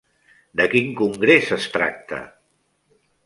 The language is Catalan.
De quin congrés es tracta?